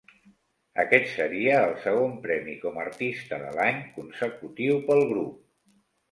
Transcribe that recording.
Aquest seria el segon premi com 'Artista de l'any' consecutiu pel grup.